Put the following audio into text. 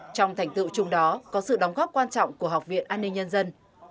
trong thành tựu chung đó có sự đóng góp quan trọng của học viện an ninh nhân dân